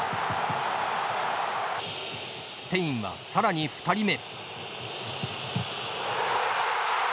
スペインは、さらに２人目。